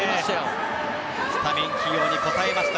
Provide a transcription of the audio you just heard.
古橋がスタメン起用に応えました。